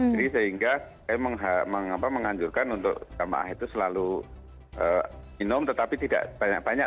jadi sehingga kami menghancurkan untuk jemaah itu selalu minum tetapi tidak banyak banyak